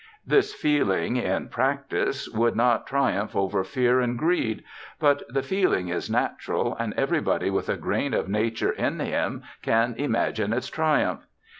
This feeling in practice would not triumph over fear and greed; but the feeling is natural, and everybody with a grain of nature in him can imagine its triumph.